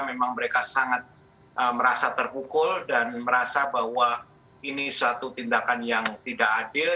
memang mereka sangat merasa terpukul dan merasa bahwa ini suatu tindakan yang tidak adil